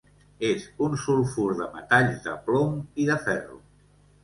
És un sulfur de metalls de plom i de ferro.